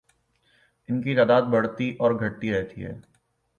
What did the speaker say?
ان کی تعداد بڑھتی اور گھٹتی رہتی ہے